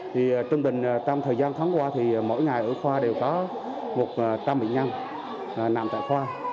thì trung bình trong thời gian tháng qua thì mỗi ngày ở khoa đều có một trăm linh bệnh nhân nằm tại khoa